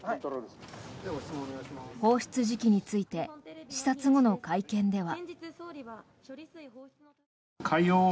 放出時期について視察後の会見では。